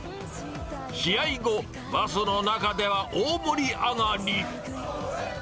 試合後、バスの中では大盛り上がり。